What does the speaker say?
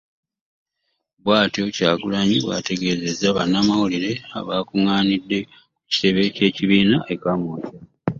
Bw'atyo Kyagulanyi bw'ategezeezezza bannamawulire abakungaanidde ku kitebe ky'ekibiina e Kamwokya.